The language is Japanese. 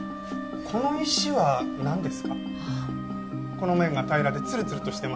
この面が平らでつるつるとしてます。